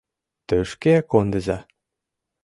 — Тышке кондыза.